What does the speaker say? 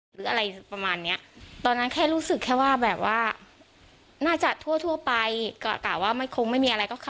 หรืออะไรประมาณเนี้ยตอนนั้นแค่รู้สึกแค่ว่าแบบว่าน่าจะทั่วทั่วไปก็กะว่าไม่คงไม่มีอะไรก็เข้า